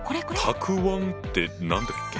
「たくあん」って何だっけ？